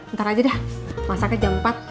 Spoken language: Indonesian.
ntar aja deh masaknya jam empat